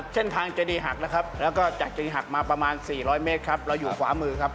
จากจริงหักมาประมาณ๔๐๐เมตรครับเราอยู่ขวามือครับ